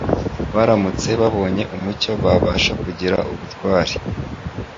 Baramutse babonye umucyo, babasha kugira ubutwari